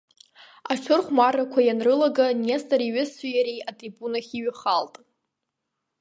Аҽырхәмаррақәа ианрылага Нестор иҩызцәеи иареи атрибунахь иҩхалт.